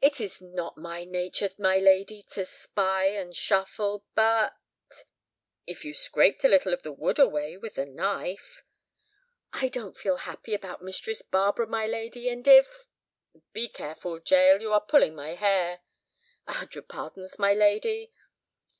"It is not my nature, my lady, to spy and shuffle, but—" "If you scraped a little of the wood away with a knife?" "I don't feel happy about Mistress Barbara, my lady. And if—" "Be careful, Jael, you are pulling my hair." "A hundred pardons, my lady."